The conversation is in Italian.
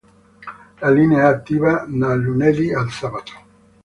La linea è attiva dal lunedì al sabato.